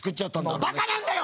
もうバカなんだよ！